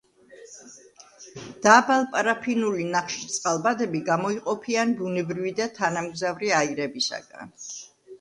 დაბალ პარაფინული ნახშირწყალბადები გამოიყოფიან ბუნებრივი და თანამგზავრი აირებისაგან.